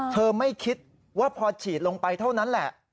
ไม่คิดว่าพอฉีดลงไปเท่านั้นแหละ